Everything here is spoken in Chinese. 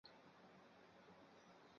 薄竹属是禾本科下的一个属。